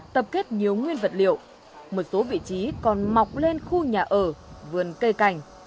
tập kết nhiều nguyên vật liệu một số vị trí còn mọc lên khu nhà ở vườn cây cảnh